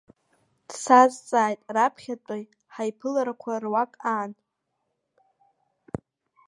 Дсазҵааит раԥхьатәи ҳаиԥыларақәа руак аан.